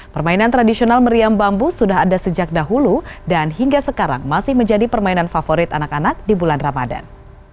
permainan tradisional meriam bambu sudah ada sejak dahulu dan hingga sekarang masih menjadi permainan favorit anak anak di bulan ramadan